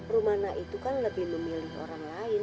rumana itu kan lebih memilih orang lain